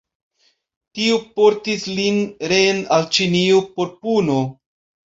Tiu portis lin reen al Ĉinio por puno.